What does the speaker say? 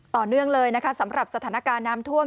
ต่อเนื่องเลยนะคะสำหรับสถานการณ์น้ำท่วม